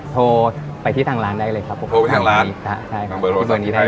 โทรไปที่ทางร้านได้เลยครับผมโทรไปทางร้านครับใช่ครับที่เมืองนี้ได้